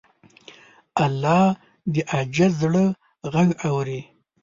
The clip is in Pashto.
الله د عاجز زړه غږ اوري.